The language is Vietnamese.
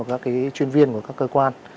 các chuyên viên của các cơ quan